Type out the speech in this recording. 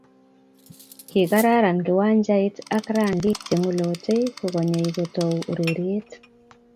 Kingaran kiwanjaitak rankii cge ngulotei kokonye kotou urerie.